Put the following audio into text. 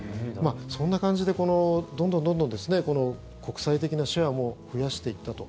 そんな感じでどんどん国際的なシェアも増やしていったと。